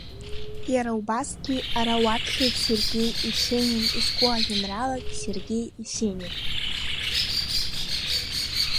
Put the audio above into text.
Иара убасгьы ара уаԥхьоит Сергеи Есенин изку жәеинраалак Сергеи Есенин.